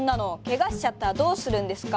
けがしちゃったらどうするんですか？